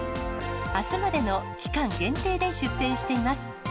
あすまでの期間限定で出店しています。